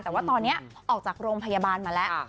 แต่ว่าตอนนี้ออกจากโรงพยาบาลมาแล้ว